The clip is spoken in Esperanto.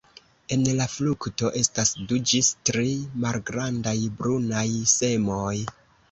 En la frukto estas du ĝis tri malgrandaj brunaj semoj.